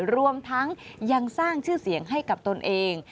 รวมทั้งยังสร้างชื่อเสียงให้กับตนเอง